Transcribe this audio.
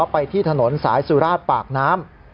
ไปที่ถนนสายสุราชปากน้ำ